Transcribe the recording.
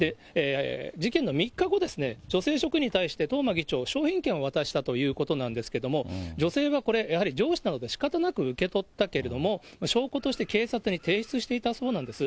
事件の３日後、女性職員に対して東間議長、商品券を渡したということなんですけども、女性はこれ、やはり上司なのでしかたなく受け取ったけれども、証拠として警察に提出していたそうなんです。